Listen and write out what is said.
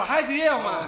お前。